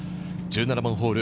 １７番ホール。